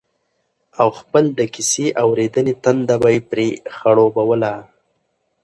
او خپل د کيسې اورېدنې تنده به يې پرې خړوبوله